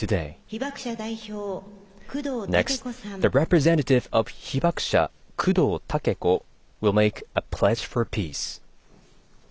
被爆者代表、工藤武子さん。